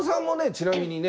ちなみにね